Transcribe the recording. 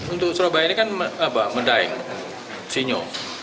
untuk surabaya ini kan medaeng sinyo